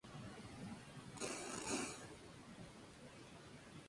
Con esto se vuelve popular y se le abren muchas puertas.